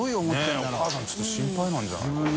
佑お母さんちょっと心配なんじゃないかな。